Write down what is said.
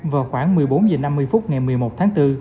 vào khoảng một mươi bốn h năm mươi phút ngày một mươi một tháng bốn